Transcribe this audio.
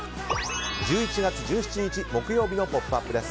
１１月１７日木曜日の「ポップＵＰ！」です。